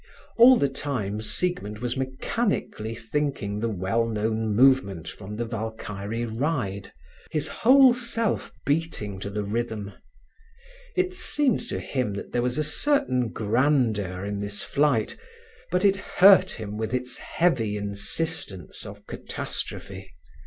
All the time Siegmund was mechanically thinking the well known movement from the Valkyrie Ride, his whole self beating to the rhythm. It seemed to him there was a certain grandeur in this flight, but it hurt him with its heavy insistence of catastrophe.